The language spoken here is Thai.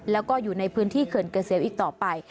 แล้วก็อยู่ในพื้นที่เขื่อนเกษมอีกต่อไป